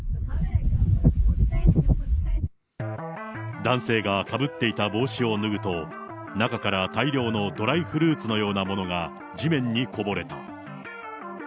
男性がかぶっていた帽子を脱ぐと、中から大量のドライフルーツのようなものが地面にこぼれた。